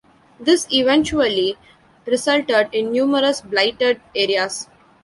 This eventually resulted in numerous blighted areas.